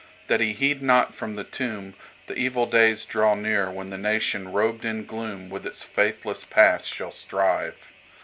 That he heed not from the tombThe evil days draw nearWhen the nation robed in gloomWith its faithless past shall strive.